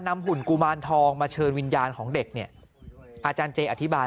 หุ่นกุมารทองมาเชิญวิญญาณของเด็กเนี่ยอาจารย์เจอธิบาย